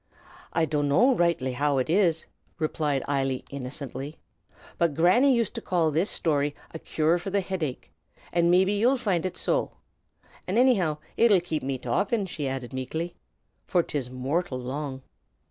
"I dunno roightly how ut is," replied Eily, innocently, "but Granny used to call this shtory a cure for the hidache, and mebbe ye'd find ut so. An' annyhow it 'ud kape me talkin'," she added meekly, "for 'tis mortial long."